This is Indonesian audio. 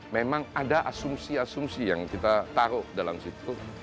memang ada asumsi asumsi yang kita taruh dalam situ